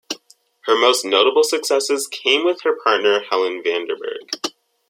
Her most notable successes came with her partner Helen Vanderburg.